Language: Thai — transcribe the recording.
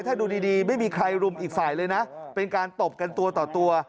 ถ้าดูดีไม่มีใครรุมอีกฝ่ายเลยนะเป็นการตบกันตัวต่อตัว